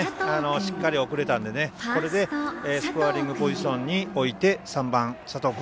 しっかり送れたのでこれでスコアリングポジションに置いて３番、佐藤君。